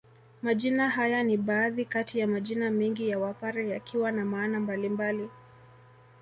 Majina haya ni baadhi kati ya majina mengi ya Wapare yakiwa na maana mbalimbali